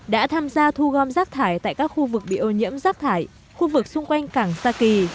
đã tham gia thu gom rác thải tại các khu vực bị ô nhiễm rác thải khu vực xung quanh cảng sa kỳ